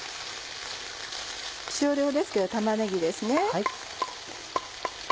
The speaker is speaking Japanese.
少量ですけど玉ねぎですね。